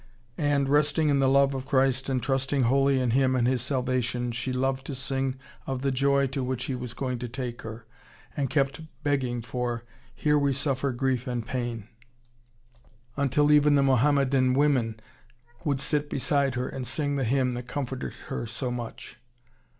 And, resting in the love of Christ and trusting wholly in Him and His salvation, she loved to sing of the joy to which He was going to take her, and kept begging for "Here we suffer grief and pain," until even the Mohammedan women would sit beside her and sing the hymn that comforted her so much....